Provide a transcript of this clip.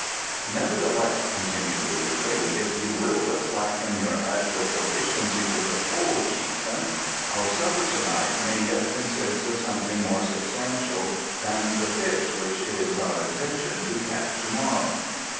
"Nevertheless," continued the weakling, "if you will but slacken your agile proficiency with the pole, chieftain, our supper to night may yet consist of something more substantial than the fish which it is our intention to catch to morrow."